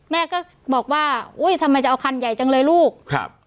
แม่ก็บอกว่าอุ้ยทำไมจะเอาคันใหญ่จังเลยลูกครับ